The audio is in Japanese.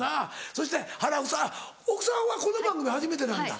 そして原夫妻奥さんはこの番組初めてなんだ？